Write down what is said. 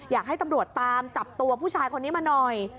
อยากให้ตำรวจตามจับตัวผู้ชายคนนี้มาหน่อย